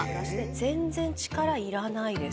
全然力いらないです。